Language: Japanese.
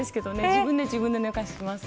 自分で自分を寝かします。